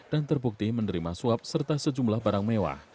dan terbukti menerima suap serta sejumlah barang mewah